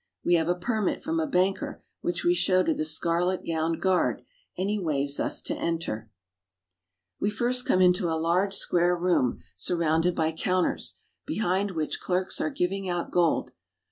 We have a permit from a banker, which we show to the scarlet gowned guard, and he waves us to enter. 72 ENGLAND. "That is the Bank of England." We first come into a large square room surrounded by counters, behind which clerks are giving out gold.